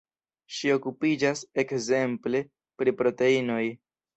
Ŝi okupiĝas ekzemple pri proteinoj.